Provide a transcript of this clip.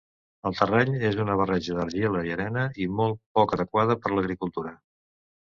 El terreny és una barreja d'argila i arena i molt poc adequada per l'agricultura.